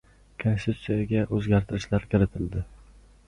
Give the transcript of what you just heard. Konstitutsiyaga o‘zgartirishlar kiritildi